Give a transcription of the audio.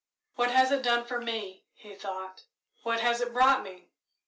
"What has it done for me?" he thought "what has it brought me?"